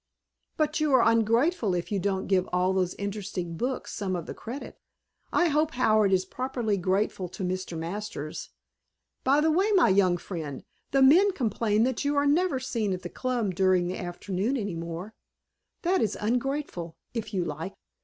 But you are ungrateful if you don't give all those interesting books some of the credit. I hope Howard is properly grateful to Mr. Masters.... By the way, my young friend, the men complain that you are never seen at the Club during the afternoon any more. That is ungrateful, if you like!